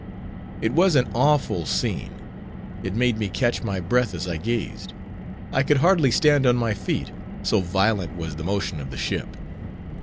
It was an awful scene. It made me catch my breath as I gazed. I could hardly stand on my feet, so violent was the motion of the ship.